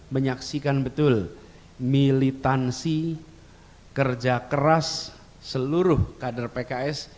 menyaksikan betul militansi kerja keras seluruh kader pks